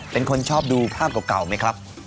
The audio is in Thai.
เป็นคนชอบดูภาพเก่าไหมครับ